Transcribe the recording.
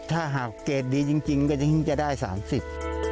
ถ้าหากเกรดดีจริงก็จะได้สามสิบ